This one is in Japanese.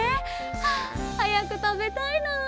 ああはやくたべたいなあ。